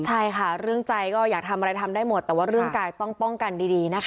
ใช่ค่ะเรื่องใจก็อยากทำอะไรทำได้หมด